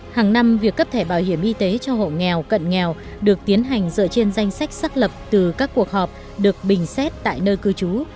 hàng năm việc cấp thẻ bảo hiểm y tế cho hộ nghèo cận nghèo được tiến hành dựa trên danh sách xác lập từ các cuộc họp được bình xét tại nơi cư trú